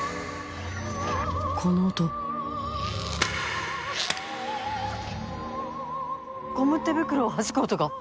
この音ゴム手袋をはじく音が。